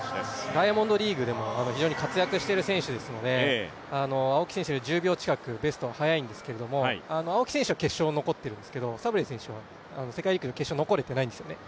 ダイヤモンドリーグでも非常に活躍している選手ですので青木選手より１０秒近くベストは速いんですけど青木選手は決勝残っているんですけどサブレ選手は決勝残れていないんですね。